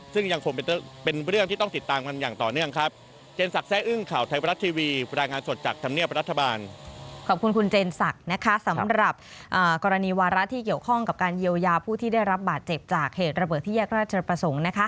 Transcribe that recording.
จะรับบาดเจ็บจากเหตุระเบิดที่แยกราชประสงค์นะคะ